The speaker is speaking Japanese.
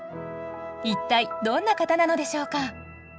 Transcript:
一体どんな方なのでしょうか？